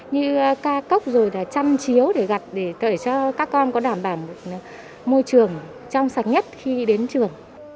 như ca cốc rồi là chăm chiếu để gặt để cho các con có đảm bảo một môi trường trong sạch nhất khi đến trường